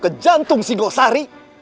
ke jantung singosari